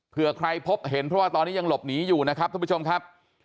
เพื่อใครพบเห็นเพราะว่าตอนนี้ยังหลบหนีอยู่นะครับท่านผู้ชมครับ